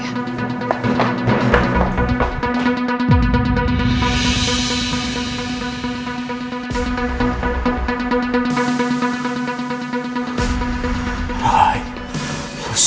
jadi memang sudah dia